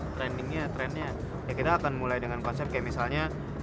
trendingnya trendnya ya kita akan mulai dengan konsep kayak misalnya